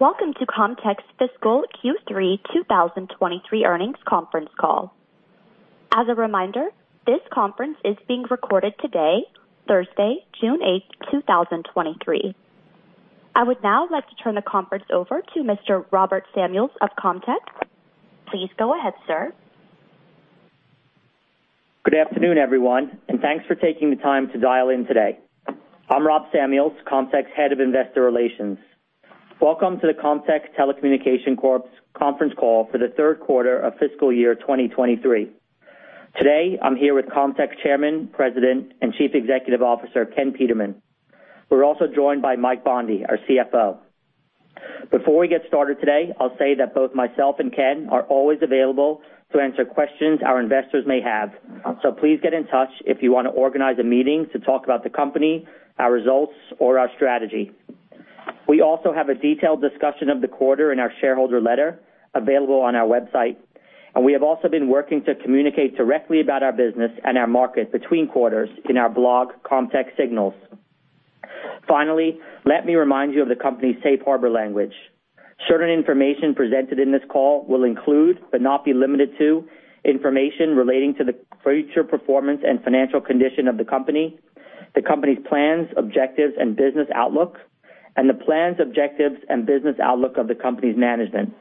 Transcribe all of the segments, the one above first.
Welcome to Comtech's fiscal Q3 2023 earnings conference call. As a reminder, this conference is being recorded today, Thursday, June 8, 2023. I would now like to turn the conference over to Mr. Robert Samuels of Comtech. Please go ahead, sir. Good afternoon, everyone, and thanks for taking the time to dial in today. I'm Rob Samuels, Comtech's Head of Investor Relations. Welcome to the Comtech Telecommunications Corp.'s conference call for the third quarter of fiscal year 2023. Today, I'm here with Comtech's Chairman, President, and Chief Executive Officer, Ken Peterman. We're also joined by Mike Bondi, our CFO. Before we get started today, I'll say that both myself and Ken are always available to answer questions our investors may have. Please get in touch if you want to organize a meeting to talk about the company, our results, or our strategy. We also have a detailed discussion of the quarter in our shareholder letter available on our website, and we have also been working to communicate directly about our business and our market between quarters in our blog, Comtech Signals. Finally, let me remind you of the company's safe harbor language. Certain information presented in this call will include, but not be limited to, information relating to the future performance and financial condition of the company, the company's plans, objectives, and business outlook, and the plans, objectives, and business outlook of the company's management.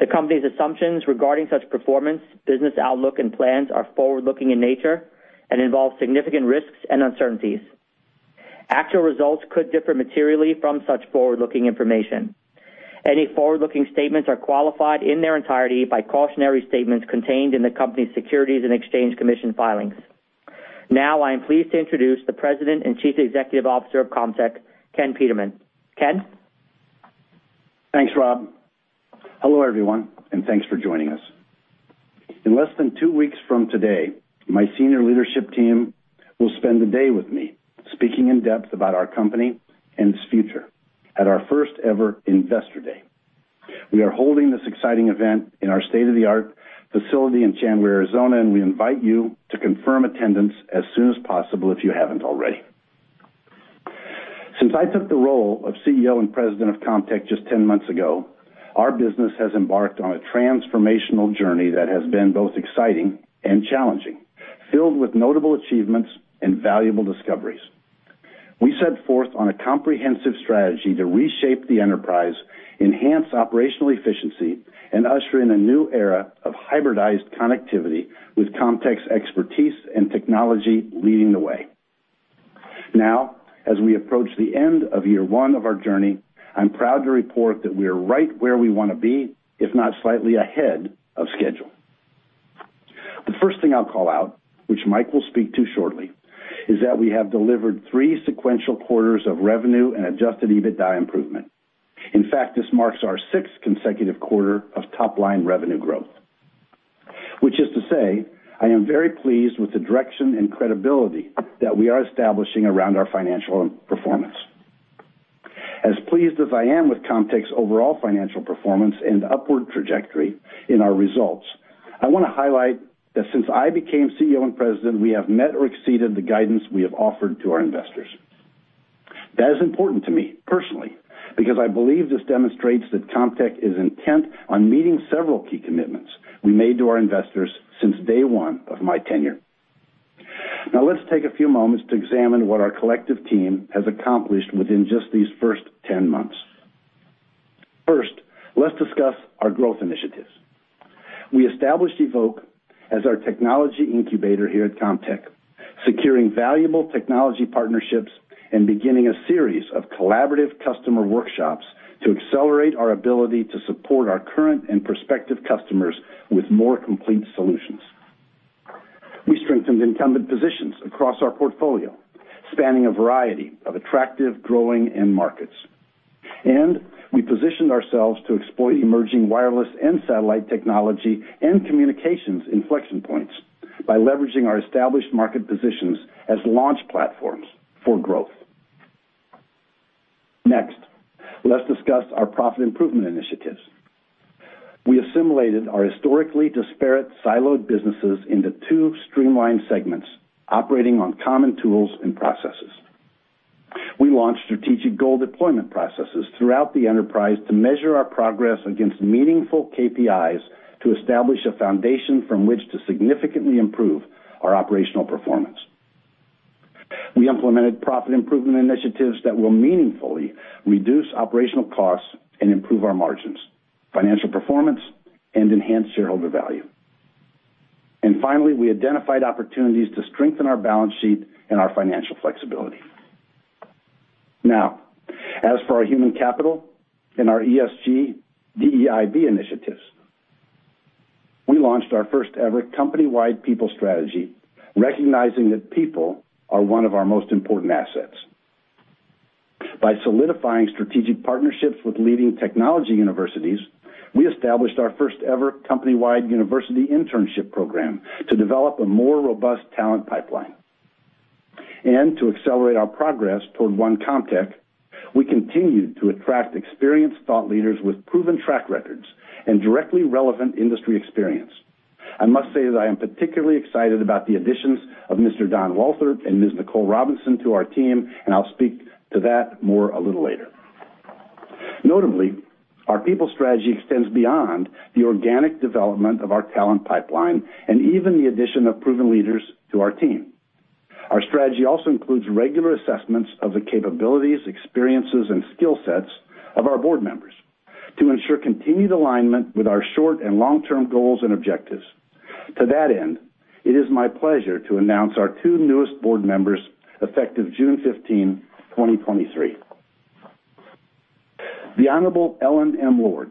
The company's assumptions regarding such performance, business outlook, and plans are forward-looking in nature and involve significant risks and uncertainties. Actual results could differ materially from such forward-looking information. Any forward-looking statements are qualified in their entirety by cautionary statements contained in the company's Securities and Exchange Commission filings. Now, I am pleased to introduce the President and Chief Executive Officer of Comtech, Ken Peterman. Ken? Thanks, Rob. Hello, everyone, and thanks for joining us. In less than two weeks from today, my senior leadership team will spend the day with me speaking in depth about our company and its future at our first-ever Investor Day. We are holding this exciting event in our state-of-the-art facility in Chandler, Arizona. We invite you to confirm attendance as soon as possible, if you haven't already. Since I took the role of CEO and President of Comtech just 10 months ago, our business has embarked on a transformational journey that has been both exciting and challenging, filled with notable achievements and valuable discoveries. We set forth on a comprehensive strategy to reshape the enterprise, enhance operational efficiency, and usher in a new era of hybridized connectivity with Comtech's expertise and technology leading the way. Now, as we approach the end of year 1 of our journey, I'm proud to report that we are right where we want to be, if not slightly ahead of schedule. The first thing I'll call out, which Mike will speak to shortly, is that we have delivered 3 sequential quarters of revenue and adjusted EBITDA improvement. In fact, this marks our 6th consecutive quarter of top-line revenue growth, which is to say, I am very pleased with the direction and credibility that we are establishing around our financial performance. As pleased as I am with Comtech's overall financial performance and upward trajectory in our results, I want to highlight that since I became CEO and President, we have met or exceeded the guidance we have offered to our investors. That is important to me personally, because I believe this demonstrates that Comtech is intent on meeting several key commitments we made to our investors since day one of my tenure. Let's take a few moments to examine what our collective team has accomplished within just these first 10 months. Let's discuss our growth initiatives. We established EVOKE as our technology incubator here at Comtech, securing valuable technology partnerships and beginning a series of collaborative customer workshops to accelerate our ability to support our current and prospective customers with more complete solutions. We strengthened incumbent positions across our portfolio, spanning a variety of attractive, growing end markets. We positioned ourselves to exploit emerging wireless and satellite technology and communications inflection points by leveraging our established market positions as launch platforms for growth. Let's discuss our profit improvement initiatives. We assimilated our historically disparate, siloed businesses into two streamlined segments, operating on common tools and processes. We launched strategic goal deployment processes throughout the enterprise to measure our progress against meaningful KPIs to establish a foundation from which to significantly improve our operational performance. We implemented profit improvement initiatives that will meaningfully reduce operational costs and improve our margins, financial performance, and enhance shareholder value. Finally, we identified opportunities to strengthen our balance sheet and our financial flexibility. Now, as for our human capital and our ESG, DEIB initiatives, we launched our first-ever company-wide people strategy, recognizing that people are one of our most important assets. By solidifying strategic partnerships with leading technology universities, we established our first-ever company-wide university internship program to develop a more robust talent pipeline. To accelerate our progress toward One Comtech, we continued to attract experienced thought leaders with proven track records and directly relevant industry experience. I must say that I am particularly excited about the additions of Mr. Don Walther and Ms. Nicole Robinson to our team, and I'll speak to that more a little later. Notably, our people strategy extends beyond the organic development of our talent pipeline and even the addition of proven leaders to our team. Our strategy also includes regular assessments of the capabilities, experiences, and skill sets of our board members to ensure continued alignment with our short and long-term goals and objectives. To that end, it is my pleasure to announce our two newest board members, effective June 15, 2023. The Honorable Ellen M. Lord.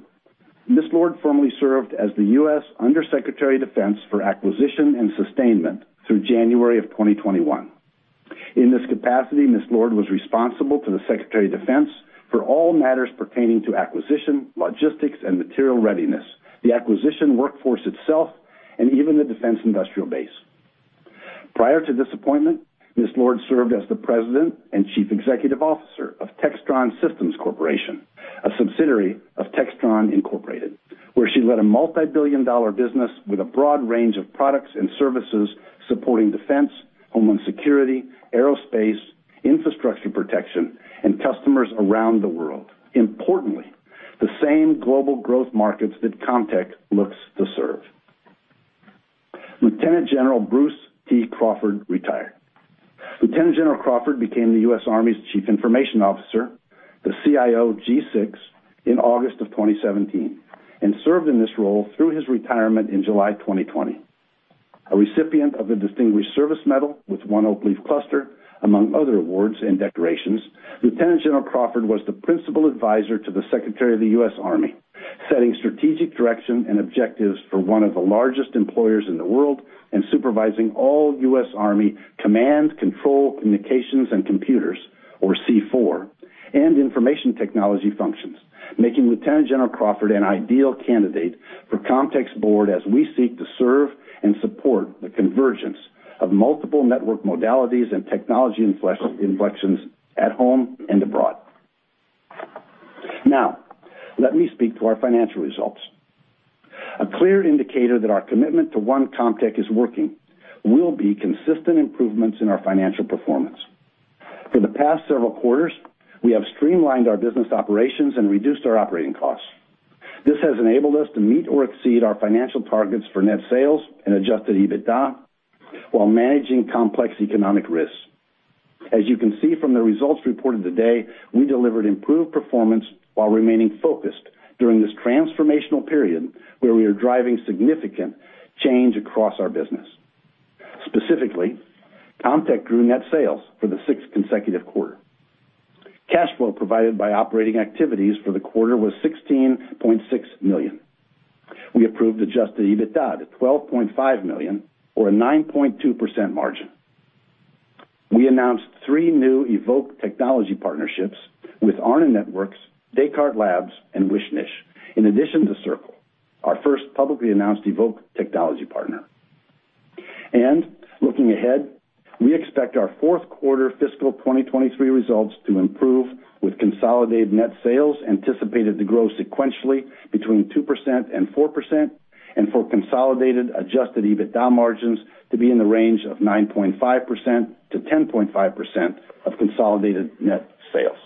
Lord formerly served as the Under Secretary of Defense for Acquisition and Sustainment through January of 2021. In this capacity, Ms. Lord was responsible to the Secretary of Defense for all matters pertaining to acquisition, logistics, and material readiness, the acquisition workforce itself, and even the defense industrial base. Prior to this appointment, Ms. Lord served as the President and Chief Executive Officer of Textron Systems Corporation, a subsidiary of Textron Inc., where she led a multibillion-dollar business with a broad range of products and services supporting defense, homeland security, aerospace, infrastructure protection, and customers around the world. Importantly, the same global growth markets that Comtech looks to serve. Lieutenant General Bruce T. Crawford, Retired. Lieutenant General Crawford became the U.S. Army's Chief Information Officer, the CIO G6, in August of 2017, and served in this role through his retirement in July 2020. A recipient of the Distinguished Service Medal with 1 Oak Leaf Cluster, among other awards and decorations, Lieutenant General Crawford was the principal advisor to the Secretary of the US Army, setting strategic direction and objectives for 1 of the largest employers in the world, and supervising all US Army command, control, communications, and computers, or C4, and information technology functions, making Lieutenant General Crawford an ideal candidate for Comtech's board as we seek to serve and support the convergence of multiple network modalities and technology inflections at home and abroad. Let me speak to our financial results. A clear indicator that our commitment to One Comtech is working will be consistent improvements in our financial performance. For the past several quarters, we have streamlined our business operations and reduced our operating costs. This has enabled us to meet or exceed our financial targets for net sales and adjusted EBITDA, while managing complex economic risks. As you can see from the results reported today, we delivered improved performance while remaining focused during this transformational period, where we are driving significant change across our business. Specifically, Comtech grew net sales for the sixth consecutive quarter. Cash flow provided by operating activities for the quarter was $16.6 million. We approved adjusted EBITDA to $12.5 million, or a 9.2% margin. We announced three new EVOKE technology partnerships with Aarna Networks, Descartes Labs, and WishKnish, in addition to Sirqul, our first publicly announced EVOKE technology partner. Looking ahead, we expect our fourth quarter fiscal 2023 results to improve, with consolidated net sales anticipated to grow sequentially between 2% and 4%, and for consolidated adjusted EBITDA margins to be in the range of 9.5% to 10.5% of consolidated net sales.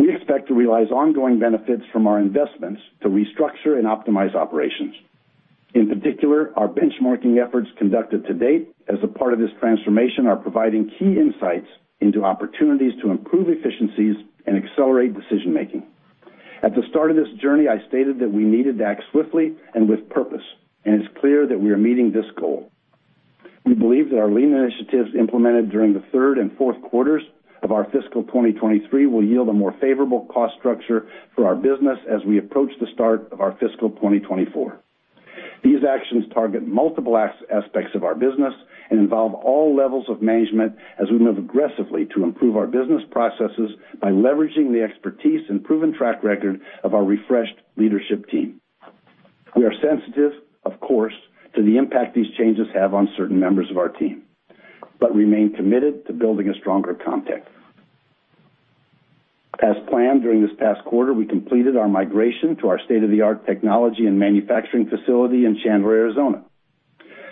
We expect to realize ongoing benefits from our investments to restructure and optimize operations. In particular, our benchmarking efforts conducted to date as a part of this transformation are providing key insights into opportunities to improve efficiencies and accelerate decision-making. At the start of this journey, I stated that we needed to act swiftly and with purpose, and it's clear that we are meeting this goal. We believe that our lean initiatives implemented during the third and fourth quarters of our fiscal 2023 will yield a more favorable cost structure for our business as we approach the start of our fiscal 2024. These actions target multiple aspects of our business and involve all levels of management as we move aggressively to improve our business processes by leveraging the expertise and proven track record of our refreshed leadership team. We are sensitive, of course, to the impact these changes have on certain members of our team, but remain committed to building a stronger Comtech. As planned, during this past quarter, we completed our migration to our state-of-the-art technology and manufacturing facility in Chandler, Arizona.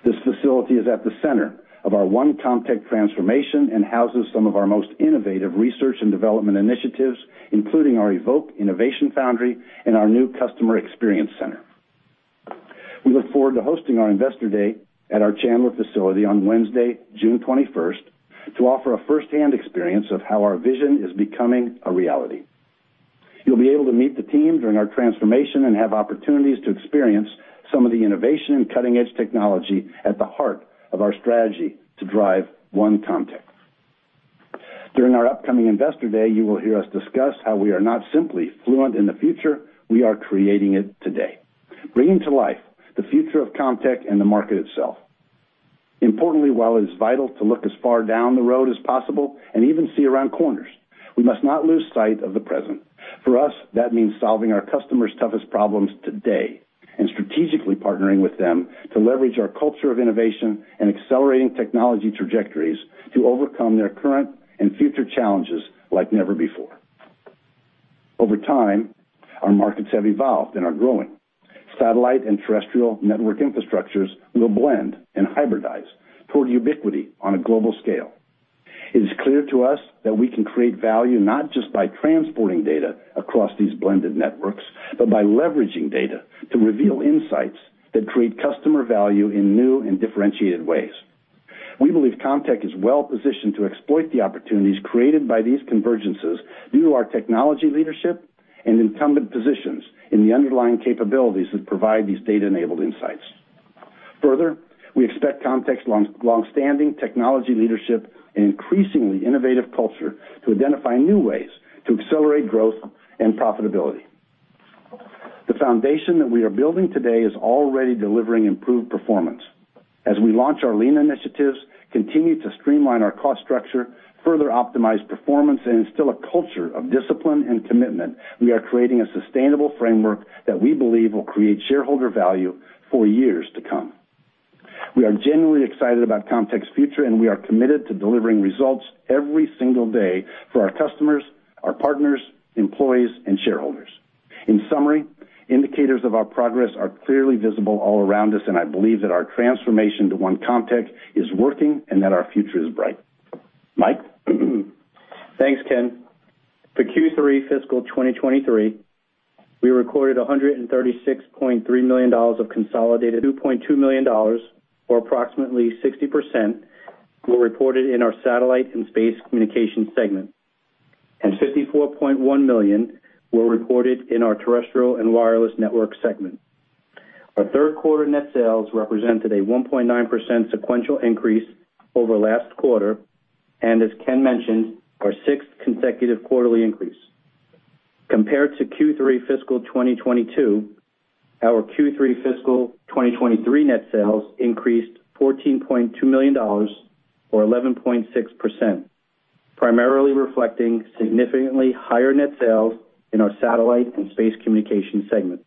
This facility is at the center of our One Comtech transformation and houses some of our most innovative research and development initiatives, including our EVOKE Innovation Foundry and our new Customer Experience Center. We look forward to hosting our Investor Day at our Chandler facility on Wednesday, June 21st, to offer a firsthand experience of how our vision is becoming a reality. You'll be able to meet the team during our transformation and have opportunities to experience some of the innovation and cutting-edge technology at the heart of our strategy to drive One Comtech. During our upcoming Investor Day, you will hear us discuss how we are not simply fluent in the future, we are creating it today, bringing to life the future of Comtech and the market itself. Importantly, while it is vital to look as far down the road as possible and even see around corners, we must not lose sight of the present. For us, that means solving our customers' toughest problems today strategically partnering with them to leverage our culture of innovation and accelerating technology trajectories to overcome their current and future challenges like never before. Over time, our markets have evolved and are growing. satellite and terrestrial network infrastructures will blend and hybridize toward ubiquity on a global scale. It is clear to us that we can create value not just by transporting data across these blended networks, but by leveraging data to reveal insights that create customer value in new and differentiated ways. We believe Comtech is well positioned to exploit the opportunities created by these convergences due to our technology leadership and incumbent positions in the underlying capabilities that provide these data-enabled insights. Further, we expect Comtech's long-standing technology leadership and increasingly innovative culture to identify new ways to accelerate growth and profitability. The foundation that we are building today is already delivering improved performance. As we launch our lean initiatives, continue to streamline our cost structure, further optimize performance, and instill a culture of discipline and commitment, we are creating a sustainable framework that we believe will create shareholder value for years to come. We are genuinely excited about Comtech's future, and we are committed to delivering results every single day for our customers, our partners, employees, and shareholders. In summary, indicators of our progress are clearly visible all around us, and I believe that our transformation to One Comtech is working and that our future is bright. Mike? Thanks, Ken. For Q3 fiscal 2023, we recorded $136.3 million of consolidated, $2.2 million, or approximately 60%, were reported in our Satellite and Space Communications segment, and $54.1 million were reported in our Terrestrial and Wireless Networks segment. Our third quarter net sales represented a 1.9% sequential increase over last quarter, and as Ken mentioned, our 6th consecutive quarterly increase. Compared to Q3 fiscal 2022, our Q3 fiscal 2023 net sales increased $14.2 million, or 11.6%, primarily reflecting significantly higher net sales in our Satellite and Space Communications segment.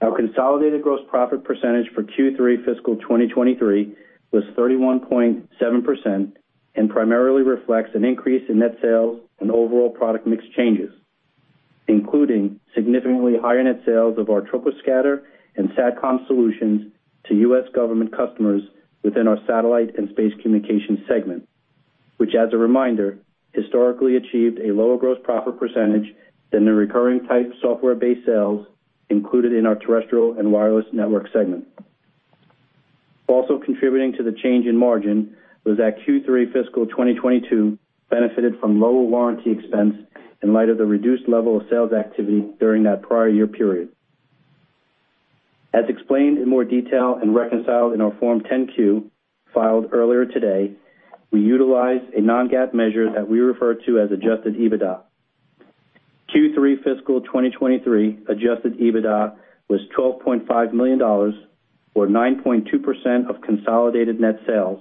Our consolidated gross profit percentage for Q3 fiscal 2023 was 31.7% and primarily reflects an increase in net sales and overall product mix changes, including significantly higher net sales of our Troposcatter and SATCOM solutions to U.S. government customers within our Satellite and Space Communications segment, which, as a reminder, historically achieved a lower gross profit percentage than the recurring type software-based sales included in our Terrestrial and Wireless Networks segment. Also contributing to the change in margin was that Q3 fiscal 2022 benefited from lower warranty expense in light of the reduced level of sales activity during that prior year period. As explained in more detail and reconciled in our Form 10-Q, filed earlier today, we utilized a non-GAAP measure that we refer to as adjusted EBITDA. Q3 fiscal 2023 adjusted EBITDA was $12.5 million, or 9.2% of consolidated net sales,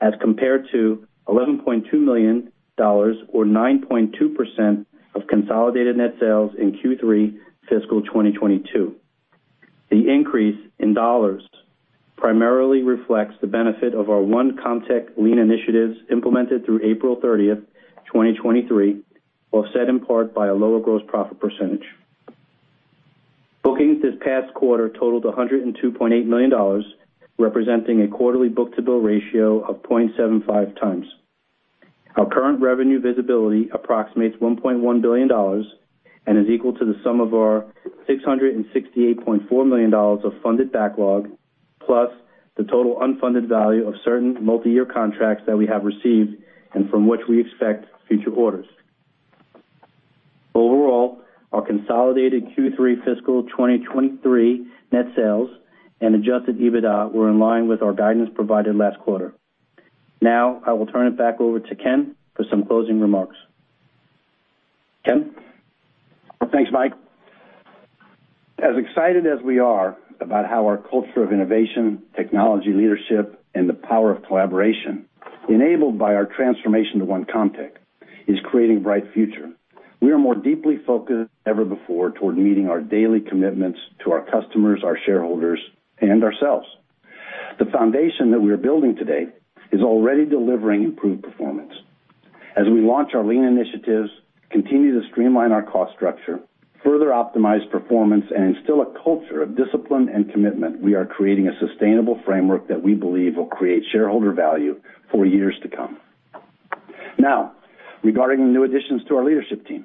as compared to $11.2 million, or 9.2% of consolidated net sales in Q3 fiscal 2022. The increase in dollars primarily reflects the benefit of our One Comtech lean initiatives implemented through April 30, 2023, offset in part by a lower gross profit percentage. Bookings this past quarter totaled $102.8 million, representing a quarterly book-to-bill ratio of 0.75 times. Our current revenue visibility approximates $1.1 billion and is equal to the sum of our $668.4 million of funded backlog, plus the total unfunded value of certain multiyear contracts that we have received and from which we expect future orders. Overall, our consolidated Q3 fiscal 2023 net sales and adjusted EBITDA were in line with our guidance provided last quarter. I will turn it back over to Ken for some closing remarks. Ken? Thanks, Mike. As excited as we are about how our culture of innovation, technology, leadership, and the power of collaboration, enabled by our transformation to One Comtech, is creating a bright future, we are more deeply focused than ever before toward meeting our daily commitments to our customers, our shareholders, and ourselves. The foundation that we are building today is already delivering improved performance. As we launch our lean initiatives, continue to streamline our cost structure, further optimize performance, and instill a culture of discipline and commitment, we are creating a sustainable framework that we believe will create shareholder value for years to come. Regarding new additions to our leadership team.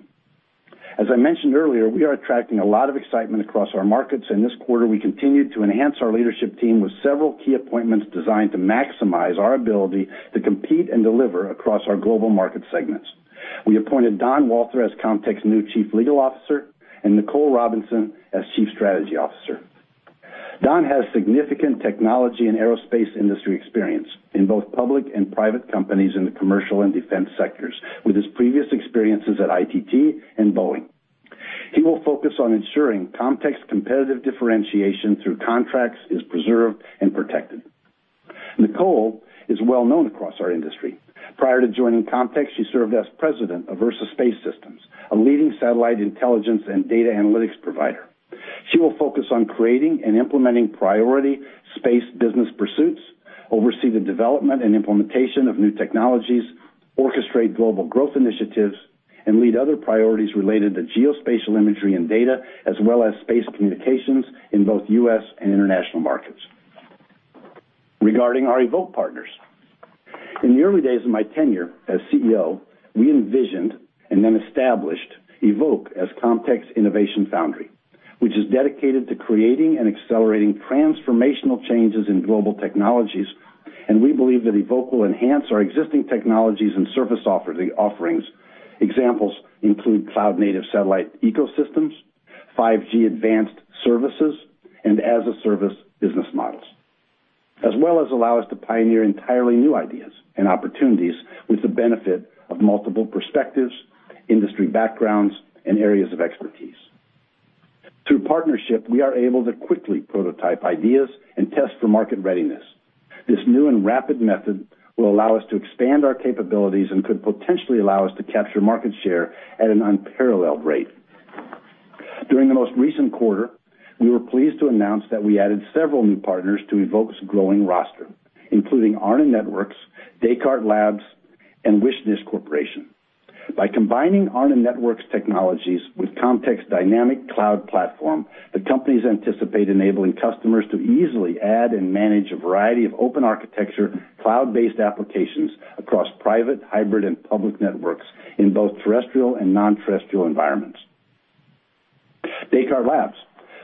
As I mentioned earlier, we are attracting a lot of excitement across our markets, and this quarter, we continued to enhance our leadership team with several key appointments designed to maximize our ability to compete and deliver across our global market segments. We appointed Don Walther as Comtech's new Chief Legal Officer and Nicole Robinson as Chief Strategy Officer. Don has significant technology and aerospace industry experience in both public and private companies in the commercial and defense sectors, with his previous experiences at ITT and Boeing. He will focus on ensuring Comtech's competitive differentiation through contracts is preserved and protected. Nicole is well known across our industry. Prior to joining Comtech, she served as President of Ursa Space Systems, a leading satellite intelligence and data analytics provider. She will focus on creating and implementing priority space business pursuits, oversee the development and implementation of new technologies, orchestrate global growth initiatives, and lead other priorities related to geospatial imagery and data, as well as space communications in both U.S. and international markets. Regarding our EVOKE partners, in the early days of my tenure as CEO, we envisioned and then established EVOKE as Comtech's innovation foundry, which is dedicated to creating and accelerating transformational changes in global technologies. We believe that EVOKE will enhance our existing technologies and service offerings. Examples include cloud-native satellite ecosystems, 5G advanced services, and as-a-service business models, as well as allow us to pioneer entirely new ideas and opportunities with the benefit of multiple perspectives, industry backgrounds, and areas of expertise. Through partnership, we are able to quickly prototype ideas and test for market readiness. This new and rapid method will allow us to expand our capabilities and could potentially allow us to capture market share at an unparalleled rate. During the most recent quarter, we were pleased to announce that we added several new partners to EVOKE's growing roster, including Aarna Networks, Descartes Labs, and WishKnish Corporation. By combining Aarna Networks technologies with Comtech's Dynamic Cloud Platform, the companies anticipate enabling customers to easily add and manage a variety of open architecture, cloud-based applications across private, hybrid, and public networks in both terrestrial and non-terrestrial environments. Descartes Labs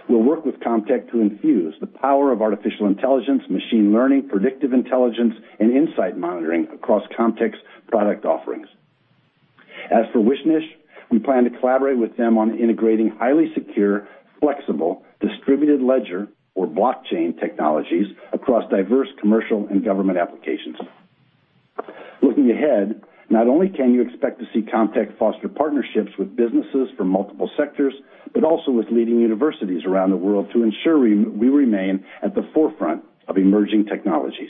will work with Comtech to infuse the power of artificial intelligence, machine learning, predictive intelligence, and insight monitoring across Comtech's product offerings. As for WishKnish, we plan to collaborate with them on integrating highly secure, flexible, distributed ledger or blockchain technologies across diverse commercial and government applications. Looking ahead, not only can you expect to see Comtech foster partnerships with businesses from multiple sectors, but also with leading universities around the world to ensure we remain at the forefront of emerging technologies.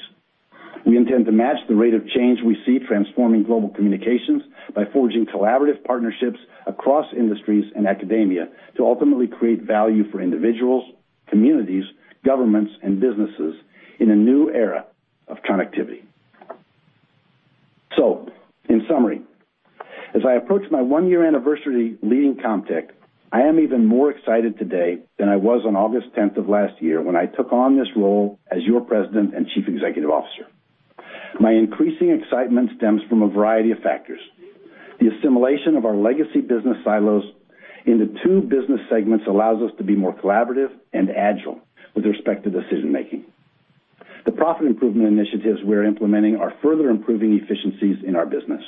We intend to match the rate of change we see transforming global communications by forging collaborative partnerships across industries and academia to ultimately create value for individuals, communities, governments, and businesses in a new era of connectivity. In summary, as I approach my one-year anniversary leading Comtech, I am even more excited today than I was on August tenth of last year when I took on this role as your President and Chief Executive Officer. My increasing excitement stems from a variety of factors. The assimilation of our legacy business silos into two business segments allows us to be more collaborative and agile with respect to decision-making. The profit improvement initiatives we are implementing are further improving efficiencies in our business.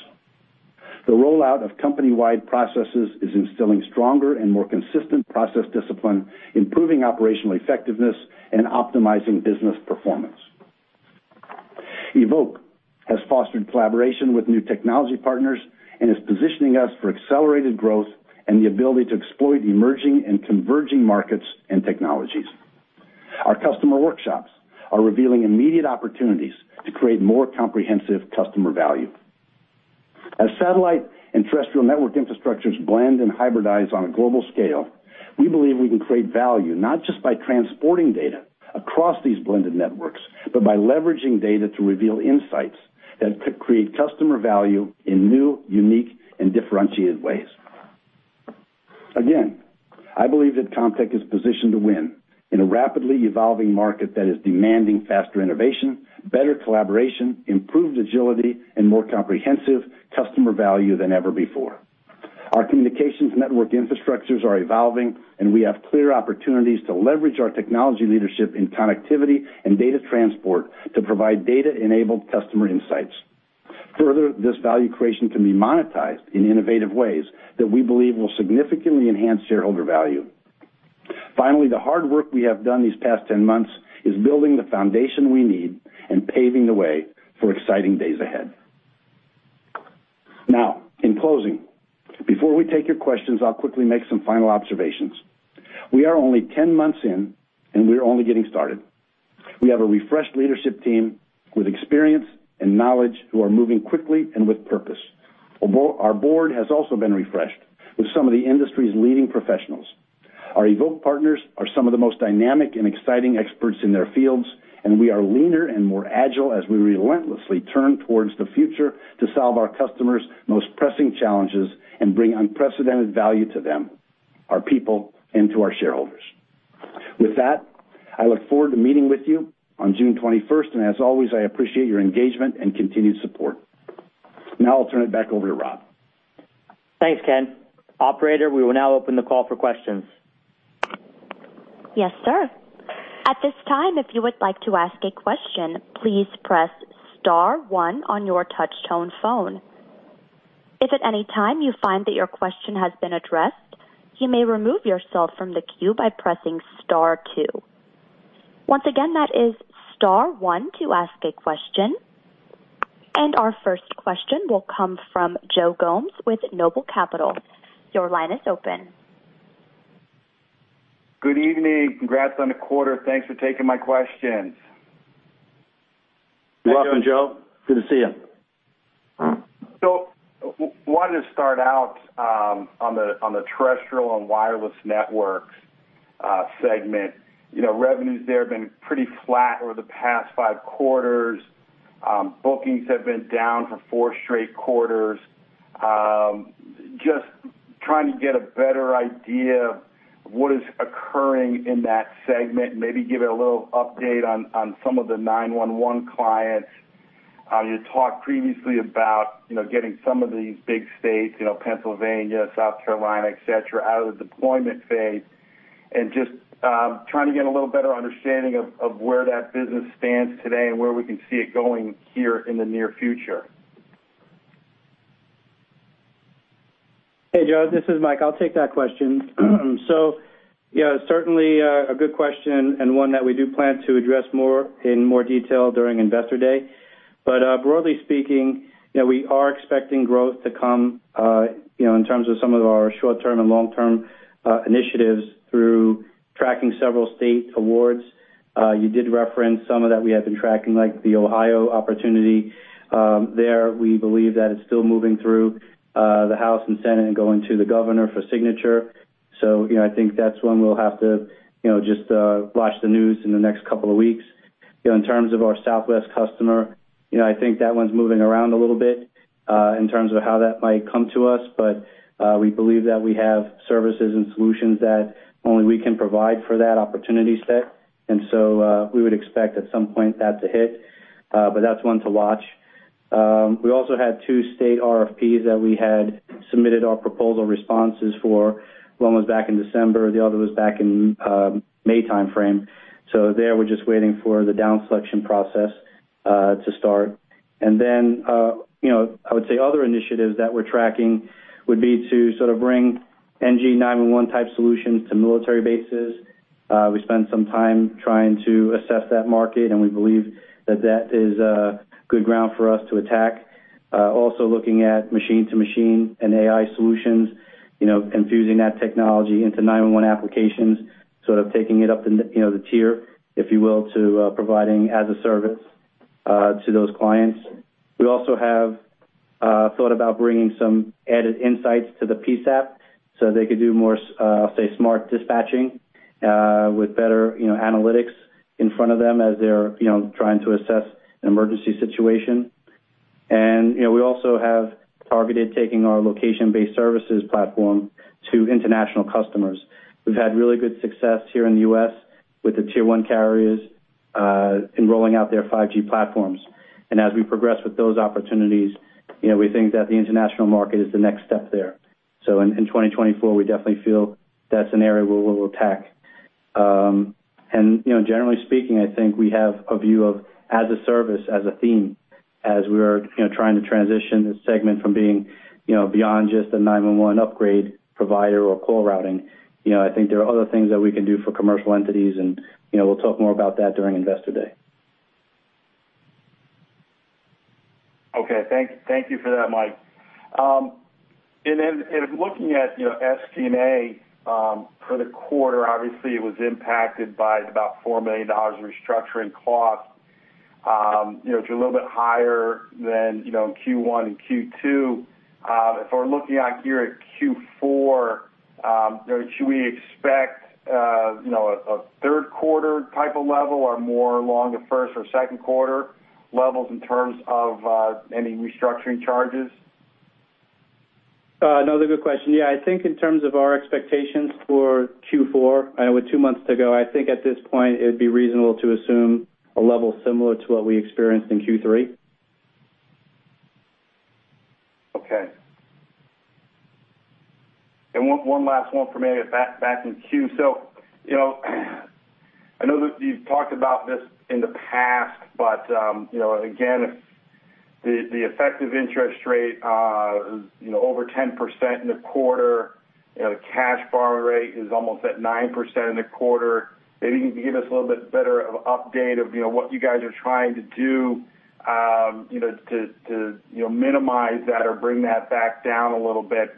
The rollout of company-wide processes is instilling stronger and more consistent process discipline, improving operational effectiveness, and optimizing business performance. EVOKE has fostered collaboration with new technology partners and is positioning us for accelerated growth and the ability to exploit emerging and converging markets and technologies. Our customer workshops are revealing immediate opportunities to create more comprehensive customer value. As satellite and terrestrial network infrastructures blend and hybridize on a global scale, we believe we can create value, not just by transporting data across these blended networks, but by leveraging data to reveal insights that could create customer value in new, unique, and differentiated ways. Again, I believe that Comtech is positioned to win in a rapidly evolving market that is demanding faster innovation, better collaboration, improved agility, and more comprehensive customer value than ever before. Our communications network infrastructures are evolving. We have clear opportunities to leverage our technology leadership in connectivity and data transport to provide data-enabled customer insights. This value creation can be monetized in innovative ways that we believe will significantly enhance shareholder value. The hard work we have done these past 10 months is building the foundation we need and paving the way for exciting days ahead. In closing, before we take your questions, I'll quickly make some final observations. We are only 10 months in. We are only getting started. We have a refreshed leadership team with experience and knowledge who are moving quickly and with purpose. Our board has also been refreshed with some of the industry's leading professionals. Our EVOKE partners are some of the most dynamic and exciting experts in their fields, and we are leaner and more agile as we relentlessly turn towards the future to solve our customers' most pressing challenges and bring unprecedented value to them, our people, and to our shareholders. With that, I look forward to meeting with you on June 21st, and as always, I appreciate your engagement and continued support. Now I'll turn it back over to Rob. Thanks, Ken. Operator, we will now open the call for questions. Yes, sir. At this time, if you would like to ask a question, please press star one on your touch tone phone. If at any time you find that your question has been addressed, you may remove yourself from the queue by pressing star two. Once again, that is star one to ask a question. Our first question will come from Joe Gomes with Noble Capital. Your line is open. Good evening. Congrats on the quarter. Thanks for taking my questions. You're welcome, Joe. Good to see you. Wanted to start out on the Terrestrial and Wireless Networks segment. You know, revenues there have been pretty flat over the past 5 quarters. Bookings have been down for 4 straight quarters. Just trying to get a better idea of what is occurring in that segment, maybe give it a little update on some of the 911 clients. You talked previously about, you know, getting some of these big states, you know, Pennsylvania, South Carolina, et cetera, out of the deployment phase. Just trying to get a little better understanding of where that business stands today and where we can see it going here in the near future. Hey, Joe Gomes, this is Mike Bondi. I'll take that question. Yeah, certainly, a good question, and one that we do plan to address in more detail during Investor Day. Broadly speaking, you know, we are expecting growth to come, you know, in terms of some of our short-term and long-term initiatives through tracking several state awards. You did reference some of that we have been tracking, like the Ohio opportunity. There, we believe that it's still moving through the House and Senate and going to the governor for signature. I think that's one we'll have to, you know, just watch the news in the next couple of weeks. You know, in terms of our Southwest customer, you know, I think that one's moving around a little bit, in terms of how that might come to us, but we believe that we have services and solutions that only we can provide for that opportunity set, and so, we would expect at some point that to hit, but that's one to watch. We also had two state RFPs that we had submitted our proposal responses for. One was back in December, the other was back in May timeframe. There, we're just waiting for the down-selection process to start. Then, you know, I would say other initiatives that we're tracking would be to sort of bring NG911 type solutions to military bases. We spent some time trying to assess that market, and we believe that that is a good ground for us to attack. Also looking at machine-to-machine and AI solutions, you know, and fusing that technology into 911 applications, sort of taking it up the, you know, the tier, if you will, to providing as-a-service to those clients. We also have thought about bringing some added insights to the PSAP, so they could do more, say, smart dispatching, with better, you know, analytics in front of them as they're, you know, trying to assess an emergency situation. You know, we also have targeted taking our location-based services platform to international customers. We've had really good success here in the US with the Tier 1 carriers, in rolling out their 5G platforms. As we progress with those opportunities, you know, we think that the international market is the next step there. In 2024, we definitely feel that's an area where we'll attack. Generally speaking, I think we have a view of as-a-service, as a theme, as we're, you know, trying to transition this segment from being, you know, beyond just a 911 upgrade provider or call routing. You know, I think there are other things that we can do for commercial entities, and, you know, we'll talk more about that during Investor Day. Okay, thank you for that, Mike Bondi. In looking at, you know, SG&A for the quarter, obviously, it was impacted by about $4 million in restructuring costs, you know, which are a little bit higher than, you know, in Q1 and Q2. If we're looking out here at Q4, you know, should we expect, you know, a third quarter type of level or more along the first or second quarter levels in terms of any restructuring charges? Another good question. I think in terms of our expectations for Q4, I know with 2 months to go, I think at this point it'd be reasonable to assume a level similar to what we experienced in Q3. Okay. One last one for me, back in queue. You know, I know that you've talked about this in the past, but, you know, again, the effective interest rate, you know, over 10% in the quarter, you know, the cash borrow rate is almost at 9% in the quarter. Maybe you can give us a little bit better of update of, you know, what you guys are trying to do, you know, to minimize that or bring that back down a little bit,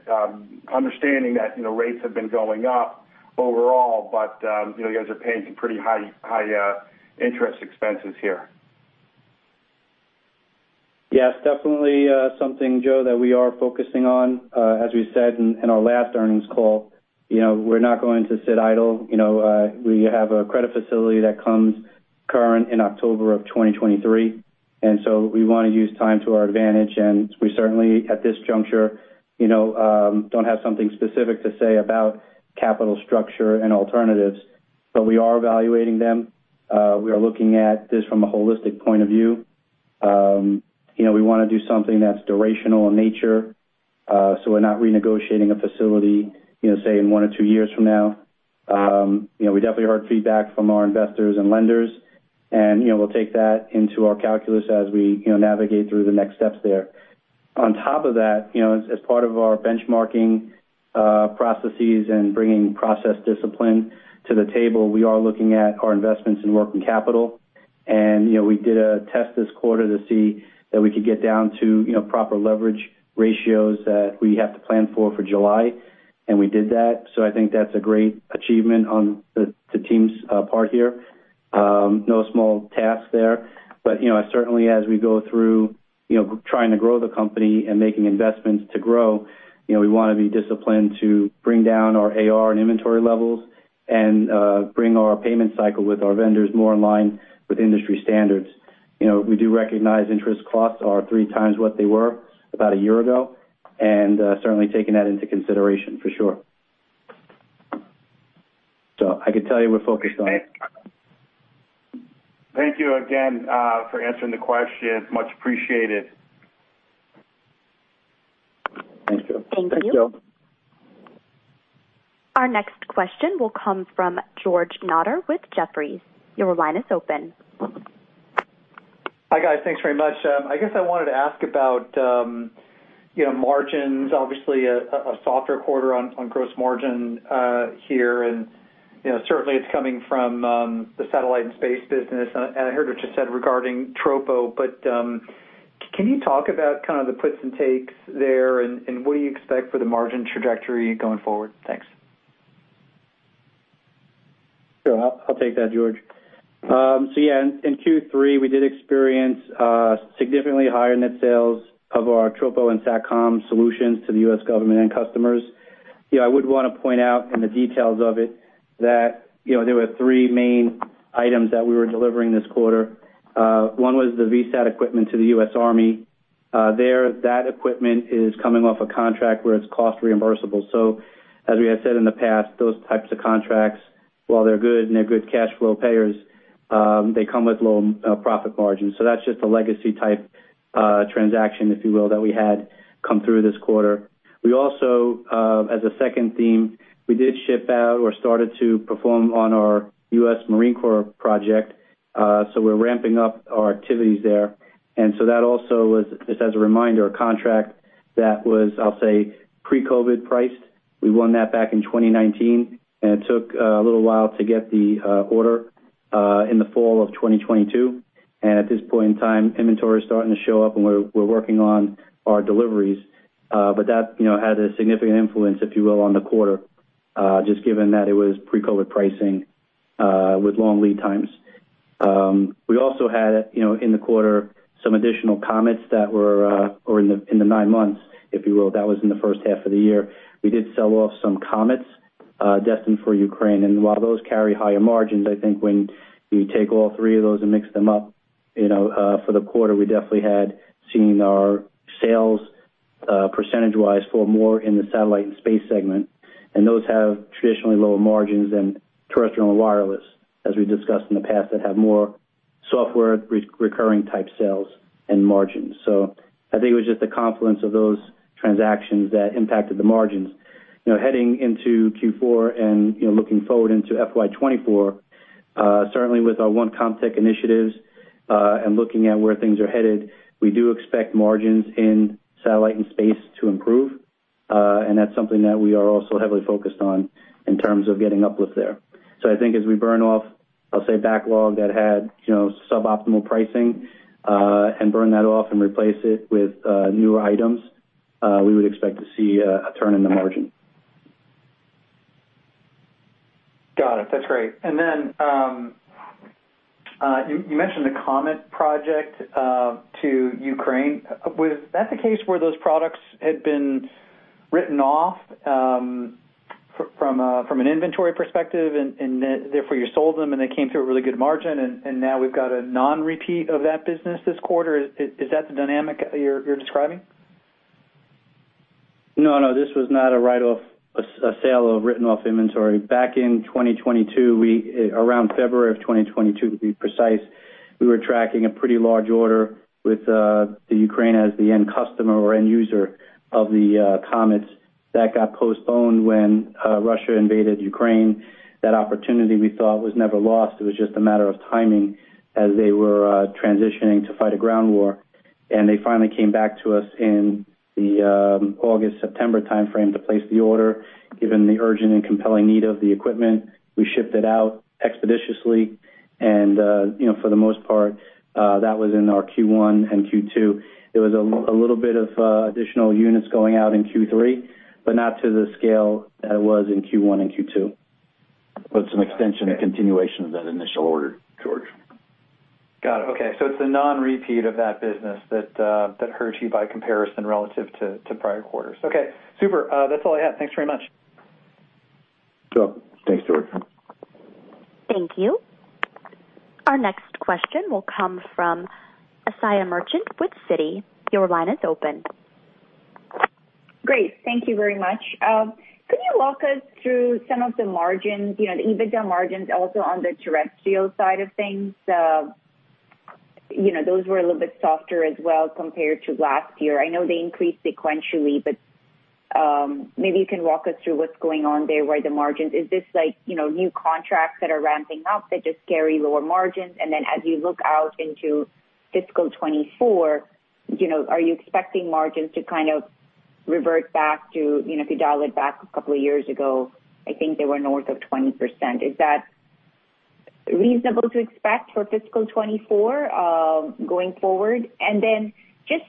understanding that, you know, rates have been going up overall, but, you know, you guys are paying some pretty high interest expenses here. Yes, definitely, something, Joe, that we are focusing on. As we said in our last earnings call, you know, we're not going to sit idle. You know, we have a credit facility that comes current in October of 2023, and so we want to use time to our advantage. We certainly, at this juncture, you know, don't have something specific to say about capital structure and alternatives, but we are evaluating them. We are looking at this from a holistic point of view. You know, we wanna do something that's durational in nature, so we're not renegotiating a facility, you know, say, in one or two years from now. You know, we definitely heard feedback from our investors and lenders, and, you know, we'll take that into our calculus as we, you know, navigate through the next steps there. On top of that, you know, as part of our benchmarking processes and bringing process discipline to the table, we are looking at our investments in working capital. You know, we did a test this quarter to see that we could get down to, you know, proper leverage ratios that we have to plan for July, and we did that. I think that's a great achievement on the team's part here. No small task there. You know, certainly as we go through, you know, trying to grow the company and making investments to grow, you know, we wanna be disciplined to bring down our AR and inventory levels and bring our payment cycle with our vendors more in line with industry standards. You know, we do recognize interest costs are 3 times what they were about 1 year ago, and, certainly taking that into consideration for sure. I can tell you we're focused on it. Thank you again, for answering the question. Much appreciated. Thank you. Thank you. Thank you. Our next question will come from George Notter with Jefferies. Your line is open. Hi, guys. Thanks very much. I guess I wanted to ask about, you know, margins. Obviously, a softer quarter on gross margin here. You know, certainly it's coming from the Satellite and Space Communications. I heard what you said regarding Tropo, can you talk about kind of the puts and takes there, and what do you expect for the margin trajectory going forward? Thanks. Sure. I'll take that, George. Yeah, in Q3, we did experience significantly higher net sales of our Tropo and SATCOM solutions to the US government and customers. You know, I would wanna point out in the details of it that, you know, there were three main items that we were delivering this quarter. One was the VSAT equipment to the US Army. That equipment is coming off a contract where it's cost-reimbursable. As we have said in the past, those types of contracts, while they're good and they're good cash flow payers, they come with low profit margins. That's just a legacy type transaction, if you will, that we had come through this quarter. We also, as a second theme, we did ship out or started to perform on our US Marine Corps project, so we're ramping up our activities there. That also was, just as a reminder, a contract that was, I'll say, pre-COVID priced. We won that back in 2019, and it took a little while to get the order in the fall of 2022. At this point in time, inventory is starting to show up, and we're working on our deliveries. But that, you know, had a significant influence, if you will, on the quarter, just given that it was pre-COVID pricing, with long lead times. we also had, you know, in the quarter, some additional COMET that were, or in the, in the nine months, if you will, that was in the first half of the year. We did sell off some COMET destined for Ukraine, and while those carry higher margins, I think when you take all three of those and mix them up, you know, for the quarter, we definitely had seen our sales, percentage-wise, fall more in the Satellite and Space segment. Those have traditionally lower margins than Terrestrial and Wireless, as we discussed in the past, that have more software recurring type sales and margins. I think it was just a confluence of those transactions that impacted the margins. You know, heading into Q4 and, you know, looking forward into FY 2024, certainly with our One Comtech initiatives, and looking at where things are headed, we do expect margins in Satellite and Space to improve. That's something that we are also heavily focused on in terms of getting uplift there. I think as we burn off, I'll say, backlog that had, you know, suboptimal pricing, and burn that off and replace it with, newer items, we would expect to see a turn in the margin. Got it. That's great. Then, you mentioned the COMET project to Ukraine. Was that the case where those products had been written off, from an inventory perspective and therefore you sold them, and they came through at a really good margin, and now we've got a non-repeat of that business this quarter? Is that the dynamic you're describing? No, no, this was not a write-off, a sale of written-off inventory. Back in 2022, we, around February of 2022, to be precise, we were tracking a pretty large order with the Ukraine as the end customer or end user of the COMET. That got postponed when Russia invaded Ukraine. That opportunity, we thought, was never lost. It was just a matter of timing as they were transitioning to fight a ground war. They finally came back to us in the August-September timeframe to place the order. Given the urgent and compelling need of the equipment, we shipped it out expeditiously, and, you know, for the most part, that was in our Q1 and Q2. There was a little bit of additional units going out in Q3, but not to the scale that it was in Q1 and Q2. Some extension and continuation of that initial order, George. Got it. Okay, it's a non-repeat of that business that hurts you by comparison relative to prior quarters. Okay, super. That's all I had. Thanks very much. Sure. Thanks, George. Thank you. Our next question will come from Asiya Merchant with Citi. Your line is open. Great. Thank you very much. Could you walk us through some of the margins, you know, the EBITDA margins, also on the terrestrial side of things? You know, those were a little bit softer as well compared to last year. I know they increased sequentially, maybe you can walk us through what's going on there, why the margins... Is this like, you know, new contracts that are ramping up that just carry lower margins? As you look out into fiscal 2024, you know, are you expecting margins to revert back to, you know, if you dial it back a couple of years ago, I think they were north of 20%. Is that reasonable to expect for fiscal 2024 going forward? Just,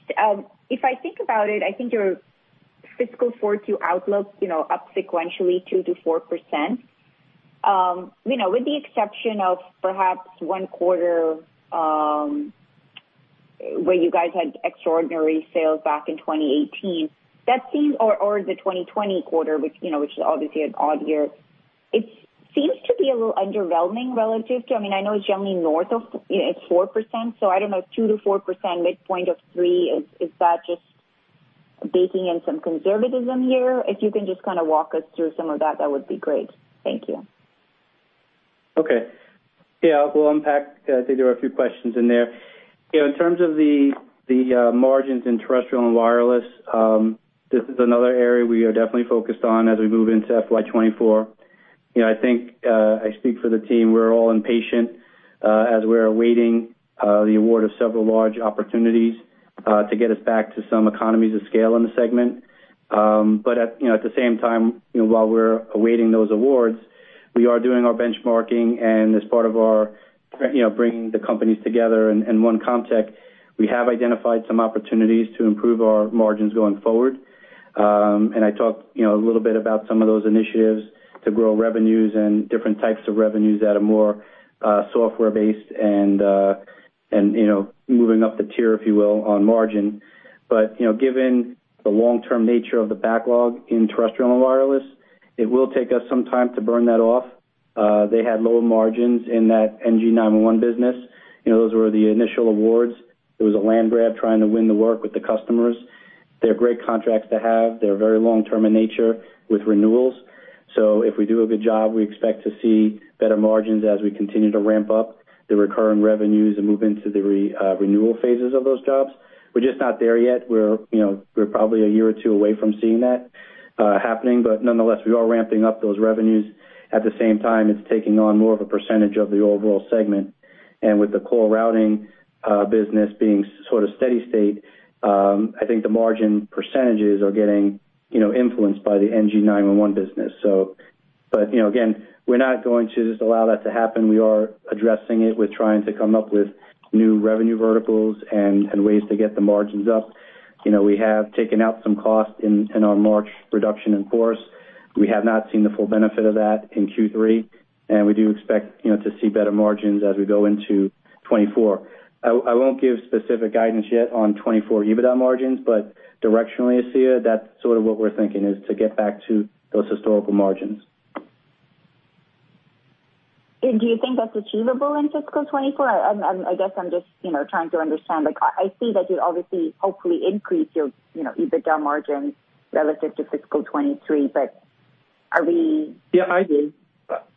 if I think about it, I think your fiscal forward 2 outlook, you know, up sequentially 2%-4%. You know, with the exception of perhaps one quarter, where you guys had extraordinary sales back in 2018, that seems or the 2020 quarter, which, you know, which is obviously an odd year. It seems to be a little underwhelming relative to I mean, I know it's generally north of, you know, it's 4%, so I don't know, 2%-4%, midpoint of 3. Is that just baking in some conservatism here? If you can just kinda walk us through some of that would be great. Thank you. Okay. Yeah, we'll unpack. I think there were a few questions in there. You know, in terms of the margins in Terrestrial and Wireless Networks, this is another area we are definitely focused on as we move into FY 2024. You know, I think I speak for the team. We're all impatient as we're awaiting the award of several large opportunities to get us back to some economies of scale in the segment. At, you know, at the same time, you know, while we're awaiting those awards, we are doing our benchmarking. As part of our, you know, bringing the companies together in one context, we have identified some opportunities to improve our margins going forward. I talked, you know, a little bit about some of those initiatives to grow revenues and different types of revenues that are more software-based and, you know, moving up the tier, if you will, on margin. You know, given the long-term nature of the backlog in Terrestrial and Wireless Networks, it will take us some time to burn that off. They had lower margins in that NG911 business. You know, those were the initial awards. It was a land grab trying to win the work with the customers. They're great contracts to have. They're very long term in nature with renewals. If we do a good job, we expect to see better margins as we continue to ramp up the recurring revenues and move into the renewal phases of those jobs. We're just not there yet. We're, you know, we're probably a year or 2 away from seeing that happening, but nonetheless, we are ramping up those revenues. At the same time, it's taking on more of a percentage of the overall segment. With the core routing business being sort of steady state, I think the margin percentages are getting, you know, influenced by the NG911 business. You know, again, we're not going to just allow that to happen. We are addressing it. We're trying to come up with new revenue verticals and ways to get the margins up. You know, we have taken out some costs in our March reduction in force. We have not seen the full benefit of that in Q3. We do expect, you know, to see better margins as we go into 2024. I won't give specific guidance yet on 2024 EBITDA margins, directionally, Asiya, that's sort of what we're thinking, is to get back to those historical margins. Do you think that's achievable in fiscal 2024? I guess I'm just, you know, trying to understand. Like I see that you obviously, hopefully increase your, you know, EBITDA margins relative to fiscal 2023, but are we... Yeah, I do.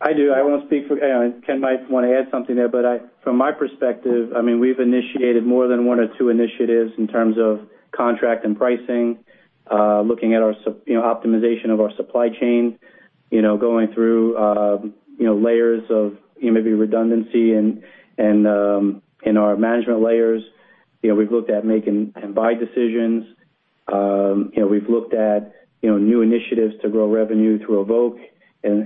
I do. I won't speak for... Ken might want to add something there, but from my perspective, I mean, we've initiated more than one or two initiatives in terms of contract and pricing, looking at our optimization of our supply chain, going through, layers of maybe redundancy and, in our management layers. We've looked at make and buy decisions. We've looked at, new initiatives to grow revenue through EVOKE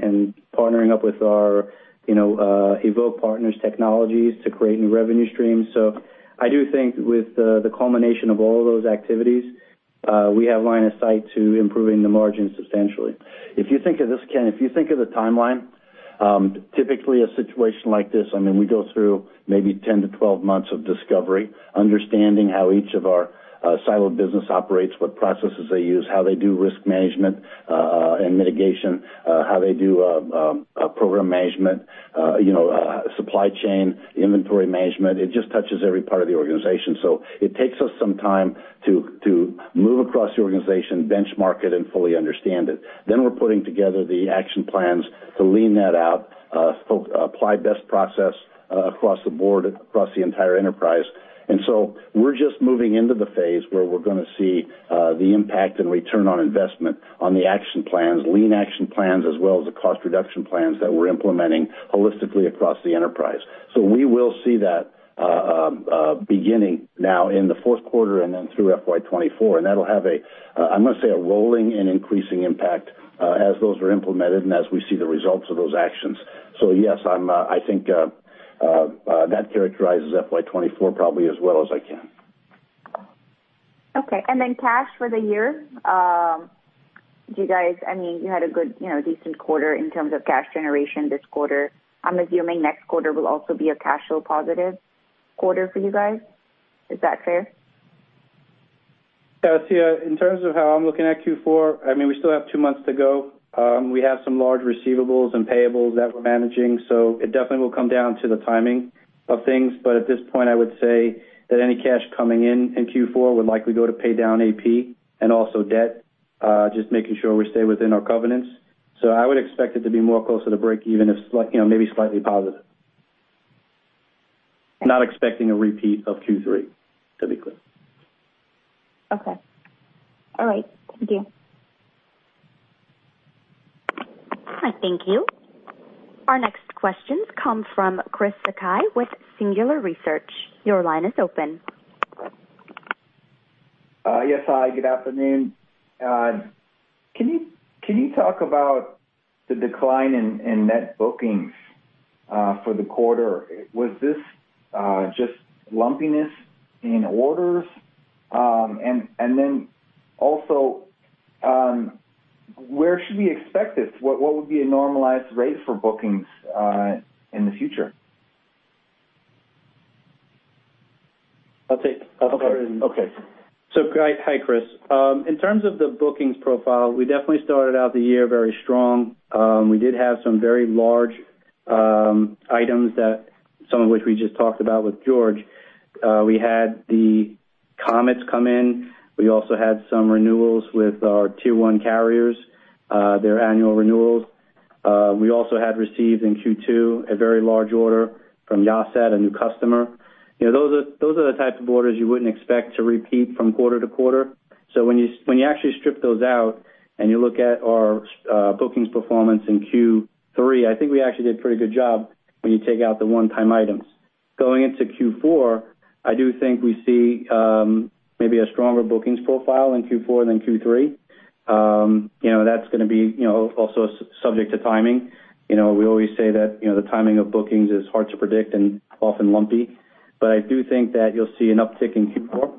and, partnering up with our, EVOKE partners technologies to create new revenue streams. I do think with the culmination of all of those activities, we have line of sight to improving the margins substantially. If you think of this, Ken, if you think of the timeline, typically a situation like this, I mean, we go through maybe 10-12 months of discovery, understanding how each of our siloed business operates, what processes they use, how they do risk management and mitigation, how they do program management, you know, supply chain, inventory management. It just touches every part of the organization. It takes us some time to move across the organization, benchmark it, and fully understand it. We're putting together the action plans to lean that out, apply best process across the board, across the entire enterprise. We're just moving into the phase where we're going to see the impact and return on investment on the action plans, lean action plans, as well as the cost reduction plans that we're implementing holistically across the enterprise. We will see that beginning now in the fourth quarter and then through FY 2024. That will have a, I'm going to say, a rolling and increasing impact as those are implemented and as we see the results of those actions. Yes, I am, I think that characterizes FY 2024 probably as well as I can. Okay, cash for the year. I mean, you had a good, you know, decent quarter in terms of cash generation this quarter. I'm assuming next quarter will also be a cash flow positive quarter for you guys. Is that fair? Asiya, in terms of how I'm looking at Q4, I mean, we still have 2 months to go. We have some large receivables and payables that we're managing, so it definitely will come down to the timing of things. At this point, I would say that any cash coming in in Q4 would likely go to pay down AP and also debt, just making sure we stay within our covenants. I would expect it to be more closer to breakeven, if you know, maybe slightly positive. Not expecting a repeat of Q3, to be clear. Okay. All right. Thank you. Thank you. Our next question comes from Joichi Sakai with Singular Research. Your line is open. Yes, hi, good afternoon. Can you talk about the decline in net bookings for the quarter? Was this just lumpiness in orders? Then also, where should we expect this? What would be a normalized rate for bookings in the future? I'll take- Okay. Hi, Chris. In terms of the bookings profile, we definitely started out the year very strong. We did have some very large items that some of which we just talked about with George. We had the COMET come in. We also had some renewals with our Tier 1 carriers, their annual renewals. We also had received in Q2 a very large order from Yahsat, a new customer. You know, those are the types of orders you wouldn't expect to repeat from quarter to quarter. When you actually strip those out and you look at our bookings performance in Q3, I think we actually did a pretty good job when you take out the one-time items. Going into Q4, I do think we see maybe a stronger bookings profile in Q4 than Q3. You know, that's gonna be, you know, also subject to timing. You know, we always say that, you know, the timing of bookings is hard to predict and often lumpy. I do think that you'll see an uptick in Q4.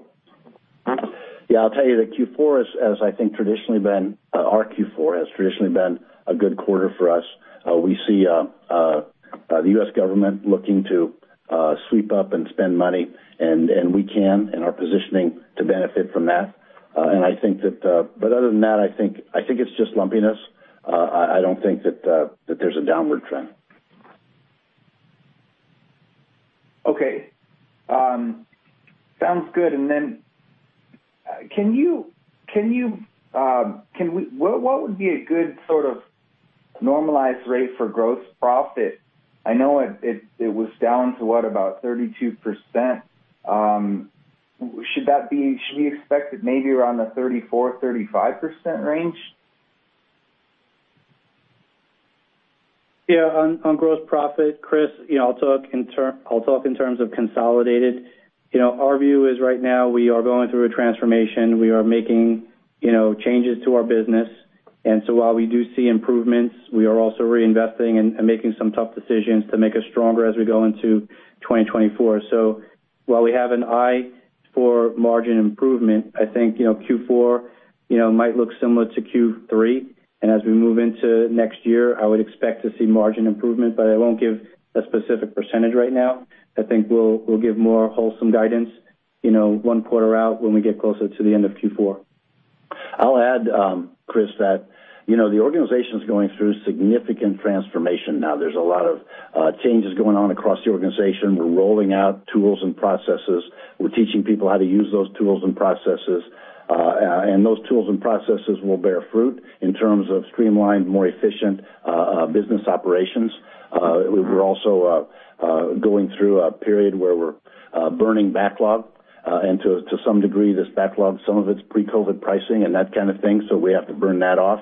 Yeah, I'll tell you that Q4 has, as I think, our Q4 has traditionally been a good quarter for us. We see the U.S. government looking to sweep up and spend money, and we can and are positioning to benefit from that. I think that. Other than that, I think it's just lumpiness. I don't think that there's a downward trend. Okay. sounds good. What would be a good sort of normalized rate for gross profit? I know it was down to what, about 32%. Should we expect it maybe around the 34%-35% range? Yeah, on gross profit, Chris, you know, I'll talk in terms of consolidated. You know, our view is right now we are going through a transformation. We are making, you know, changes to our business. While we do see improvements, we are also reinvesting and making some tough decisions to make us stronger as we go into 2024. While we have an eye for margin improvement, I think, you know, Q4, you know, might look similar to Q3. As we move into next year, I would expect to see margin improvement, but I won't give a specific % right now. I think we'll give more wholesome guidance, you know, one quarter out when we get closer to the end of Q4. I'll add, Chris, that, you know, the organization is going through significant transformation now. There's a lot of changes going on across the organization. We're rolling out tools and processes. We're teaching people how to use those tools and processes, and those tools and processes will bear fruit in terms of streamlined, more efficient business operations. We're also going through a period where we're burning backlog, and to some degree, this backlog, some of it's pre-COVID pricing and that kind of thing, so we have to burn that off.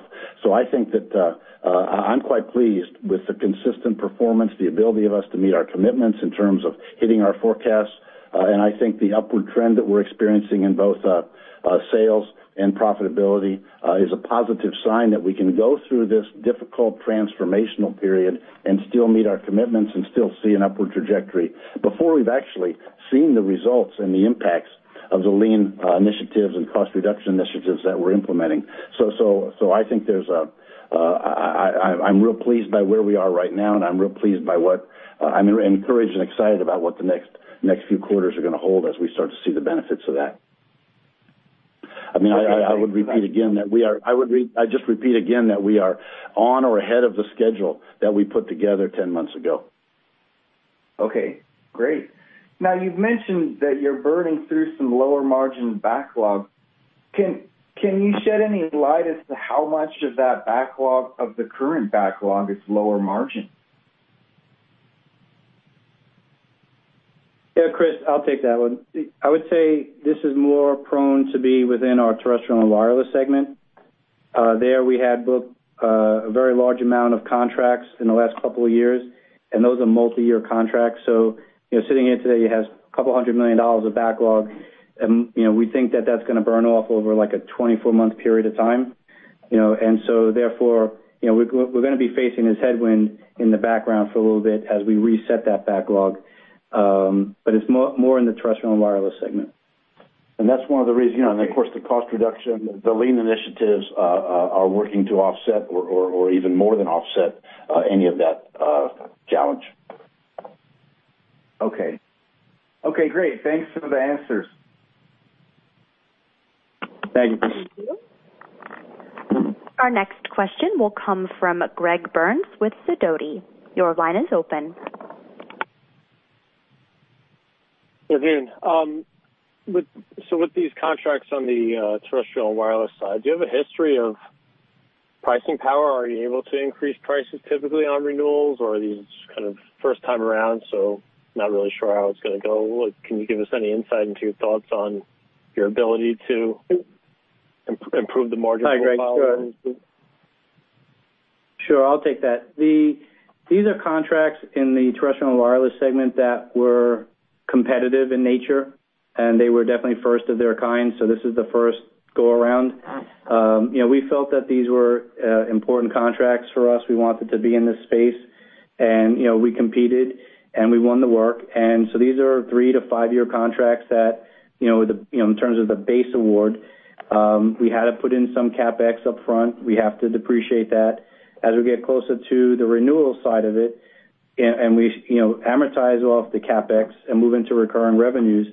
I think that I'm quite pleased with the consistent performance, the ability of us to meet our commitments in terms of hitting our forecasts. I think the upward trend that we're experiencing in both sales and profitability is a positive sign that we can go through this difficult transformational period and still meet our commitments and still see an upward trajectory before we've actually seen the results and the impacts of the lean initiatives and cost reduction initiatives that we're implementing. I think there's a, I'm real pleased by where we are right now, and I'm real pleased by what. I'm encouraged and excited about what the next few quarters are gonna hold as we start to see the benefits of that. I mean, I'd just repeat again that we are on or ahead of the schedule that we put together 10 months ago. Okay, great. You've mentioned that you're burning through some lower margin backlog. Can you shed any light as to how much of that backlog, of the current backlog, is lower margin? Yeah, Chris, I'll take that one. I would say this is more prone to be within our Terrestrial and Wireless Networks. There, we had booked a very large amount of contracts in the last couple of years, and those are multiyear contracts. You know, sitting in today, it has $200 million of backlog, and, you know, we think that that's gonna burn off over, like, a 24-month period of time. You know, therefore, you know, we're gonna be facing this headwind in the background for a little bit as we reset that backlog. It's more in the Terrestrial and Wireless Networks. That's one of the reasons, you know, and of course, the cost reduction, the lean initiatives, are working to offset or even more than offset, any of that, challenge. Okay. Okay, great. Thanks for the answers. Thank you. Thank you. Our next question will come from Greg Burns with Sidoti. Your line is open. Good afternoon. With these contracts on the terrestrial and wireless side, do you have a history of pricing power? Are you able to increase prices typically on renewals, or are these kind of first time around, so not really sure how it's gonna go? Can you give us any insight into your thoughts on your ability to? improve the margin profile? Hi, Greg. Sure, I'll take that. These are contracts in the Terrestrial and Wireless segment that were competitive in nature, and they were definitely first of their kind, so this is the first go-around. you know, we felt that these were important contracts for us. We wanted to be in this space, and, you know, we competed, and we won the work. So these are 3-5-year contracts that, you know, the, you know, in terms of the base award, we had to put in some CapEx upfront. We have to depreciate that. As we get closer to the renewal side of it, and we, you know, amortize off the CapEx and move into recurring revenues,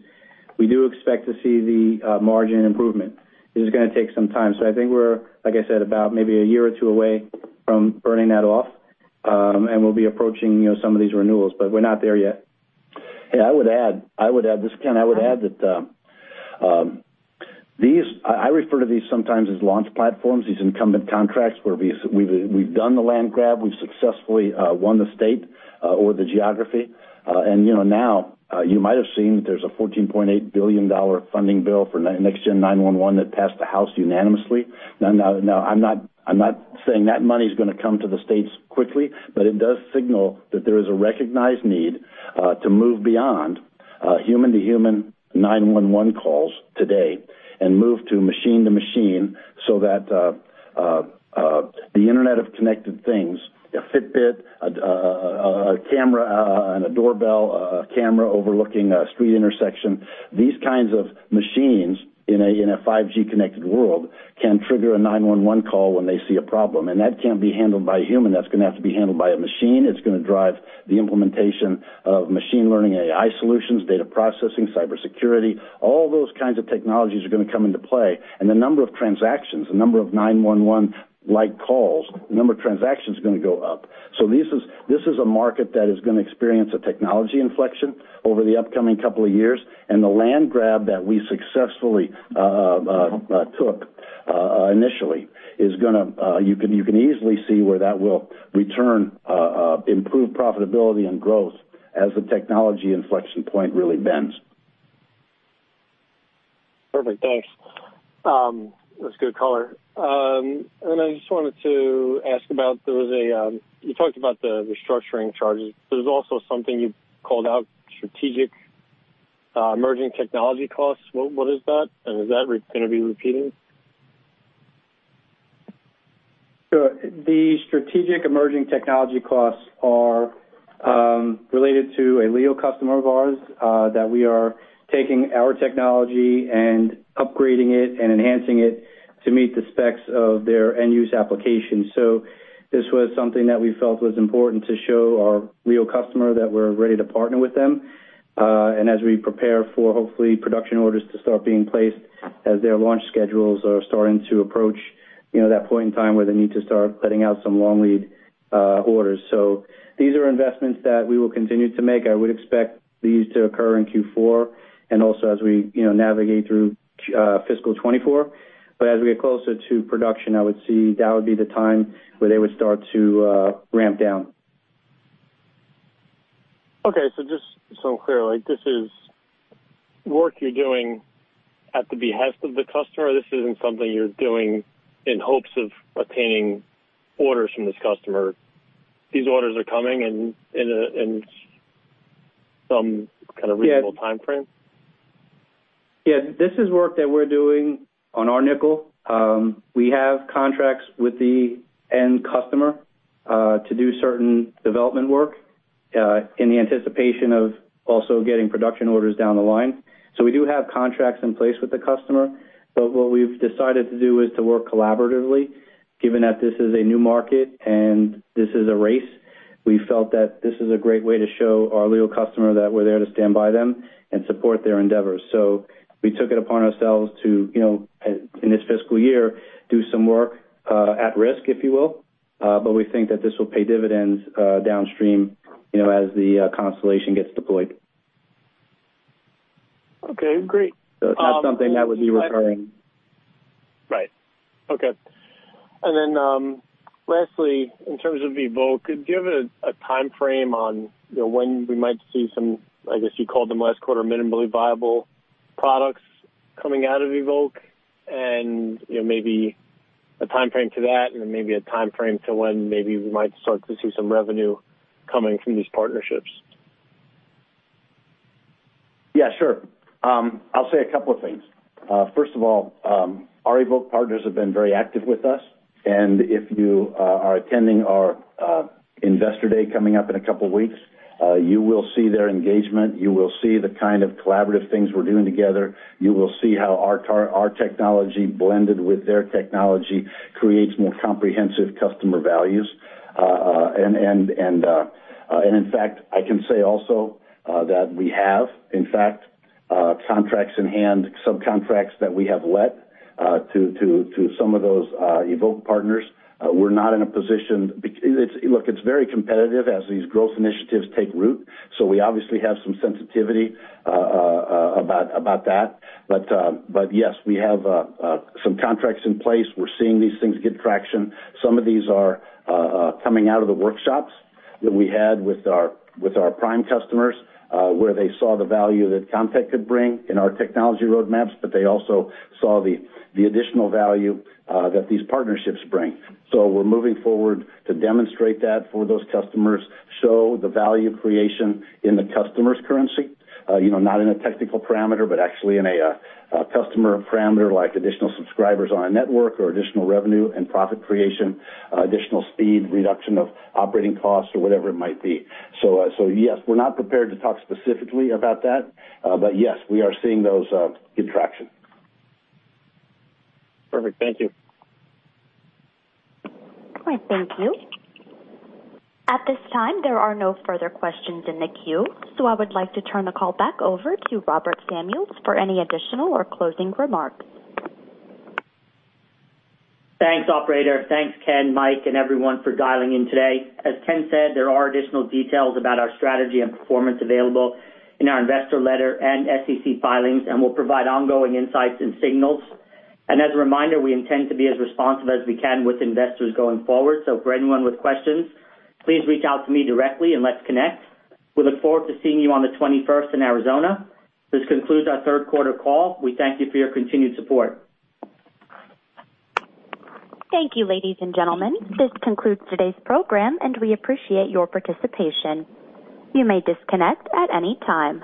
we do expect to see the margin improvement. This is gonna take some time. I think we're, like I said, about maybe a year or two away from burning that off, and we'll be approaching, you know, some of these renewals, but we're not there yet. Hey, I would add this, Ken, I would add that I refer to these sometimes as launch platforms, these incumbent contracts, where we've done the land grab, we've successfully won the state or the geography. You know, now, you might have seen that there's a $14.8 billion funding bill for next Gen 911 that passed the House unanimously. I'm not saying that money's gonna come to the States quickly, but it does signal that there is a recognized need to move beyond human-to-human 911 calls today and move to machine-to-machine so that the Internet of connected things, a Fitbit, a camera, and a doorbell, a camera overlooking a street intersection. These kinds of machines in a 5G connected world, can trigger a 911 call when they see a problem, and that can't be handled by a human. That's gonna have to be handled by a machine. It's gonna drive the implementation of machine learning, AI solutions, data processing, cybersecurity, all those kinds of technologies are gonna come into play, and the number of transactions, the number of 911-like calls, the number of transactions are gonna go up. This is a market that is gonna experience a technology inflection over the upcoming couple of years, and the land grab that we successfully took initially, is gonna you can easily see where that will return improved profitability and growth as the technology inflection point really bends. Perfect. Thanks. That's a good color. I just wanted to ask about you talked about the restructuring charges. There's also something you called out, strategic emerging technology costs. What is that, and is that gonna be repeating? Sure. The strategic emerging technology costs are related to a LEO customer of ours, that we are taking our technology and upgrading it and enhancing it to meet the specs of their end-use application. This was something that we felt was important to show our LEO customer that we're ready to partner with them, and as we prepare for, hopefully, production orders to start being placed as their launch schedules are starting to approach, you know, that point in time where they need to start putting out some long lead orders. These are investments that we will continue to make. I would expect these to occur in Q4 and also as we, you know, navigate through fiscal 2024. As we get closer to production, I would see that would be the time where they would start to ramp down. Okay, just so clear, like, this is work you're doing at the behest of the customer. This isn't something you're doing in hopes of obtaining orders from this customer. These orders are coming in some kind of reasonable time frame? Yeah, this is work that we're doing on our nickel. We have contracts with the end customer, to do certain development work, in the anticipation of also getting production orders down the line. We do have contracts in place with the customer, but what we've decided to do is to work collaboratively, given that this is a new market and this is a race. We felt that this is a great way to show our LEO customer that we're there to stand by them and support their endeavors. We took it upon ourselves to, you know, in this fiscal year, do some work, at risk, if you will, but we think that this will pay dividends, downstream, you know, as the constellation gets deployed. Okay, great. It's not something that would be recurring. Right. Okay. Lastly, in terms of EVOKE, do you have a time frame on, you know, when we might see some, I guess you called them last quarter, minimally viable products coming out of EVOKE and, you know, maybe a time frame to that and maybe a time frame to when maybe we might start to see some revenue coming from these partnerships? Yeah, sure. I'll say a couple of things. First of all, our EVOKE partners have been very active with us. If you are attending our investor day coming up in a couple of weeks, you will see their engagement. You will see the kind of collaborative things we're doing together. You will see how our technology, blended with their technology, creates more comprehensive customer values. In fact, I can say also that we have, in fact, contracts in hand, subcontracts that we have let to some of those EVOKE partners. We're not in a position. Look, it's very competitive as these growth initiatives take root, so we obviously have some sensitivity about that. Yes, we have some contracts in place. We're seeing these things get traction. Some of these are coming out of the workshops that we had with our, with our prime customers, where they saw the value that Comtech could bring in our technology roadmaps, but they also saw the additional value that these partnerships bring. We're moving forward to demonstrate that for those customers, show the value creation in the customer's currency, you know, not in a technical parameter, but actually in a customer parameter, like additional subscribers on a network or additional revenue and profit creation, additional speed, reduction of operating costs or whatever it might be. Yes, we're not prepared to talk specifically about that, but yes, we are seeing those get traction. Perfect. Thank you. All right. Thank you. At this time, there are no further questions in the queue. I would like to turn the call back over to Robert Samuels for any additional or closing remarks. Thanks, operator. Thanks, Ken, Mike, and everyone for dialing in today. As Ken said, there are additional details about our strategy and performance available in our investor letter and SEC filings, we'll provide ongoing insights and signals. As a reminder, we intend to be as responsive as we can with investors going forward. For anyone with questions, please reach out to me directly and let's connect. We look forward to seeing you on the 21st in Arizona. This concludes our third quarter call. We thank you for your continued support. Thank you, ladies and gentlemen. This concludes today's program. We appreciate your participation. You may disconnect at any time.